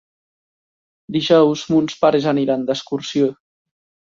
Dijous mons pares aniran d'excursió.